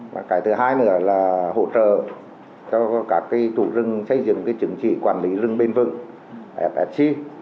và cái thứ hai nữa là hỗ trợ cho các chủ rừng xây dựng cái chứng chỉ quản lý rừng bền vựng fsg